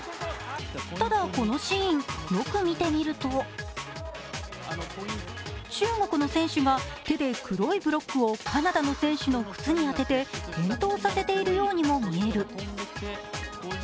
ただ、このシーン、よく見てみると中国の選手が手で黒いブロックをカナダの選手の靴に当てて転倒させているようにも見える。